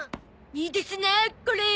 いいですなこれ。